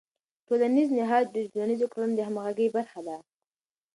ټولنیز نهاد د ټولنیزو کړنو د همغږۍ برخه ده.